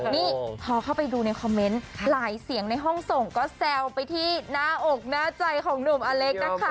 นี่พอเข้าไปดูในคอมเมนต์หลายเสียงในห้องส่งก็แซวไปที่หน้าอกหน้าใจของหนุ่มอเล็กนะคะ